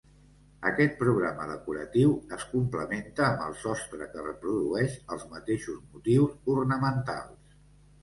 Aquest programa decoratiu es complementa amb el sostre que reprodueix els mateixos motius ornamentals.